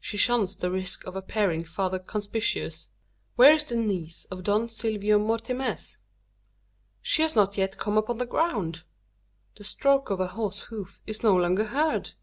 She shuns the risk of appearing farther conspicuous. Where is the niece of Don Silvio Mortimez? She has not yet come upon the ground! The stroke of her horse's hoof is no longer heard!